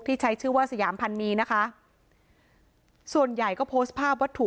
ใช้ชื่อว่าสยามพันมีนะคะส่วนใหญ่ก็โพสต์ภาพวัตถุ